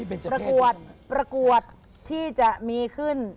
นี่เป็นจังเกษตรประกวดที่จะมีขึ้น